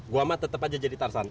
gue mah tetap aja jadi tarsan